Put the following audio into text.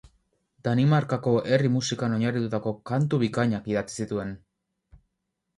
Danimarkako herri-musikan oinarritutako kantu bikainak idatzi zituen.